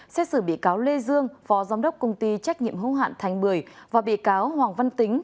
xét xử bị cáo lê dương phó giám đốc công ty trách nhiệm hữu hạn thành bưởi và bị cáo hoàng văn tính